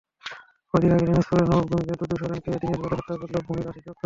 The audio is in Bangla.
কদিন আগে দিনাজপুরের নবাবগঞ্জে দুদু সরেনকে দিনের বেলা হত্যা করল ভূমিগ্রাসী চক্র।